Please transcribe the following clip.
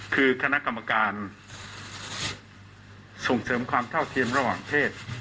คือคณะกรรมการส่งเสริมความเท่าเทียมระหว่างเพศ